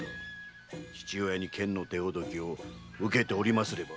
父親に剣の手ほどきを受けておりますれば。